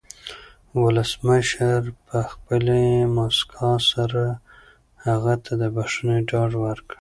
ولسمشر په خپلې مسکا سره هغه ته د بښنې ډاډ ورکړ.